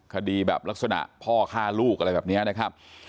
คดีแบบลักษณะพ่อฆ่าลูกอะไรแบบนี้นะครับ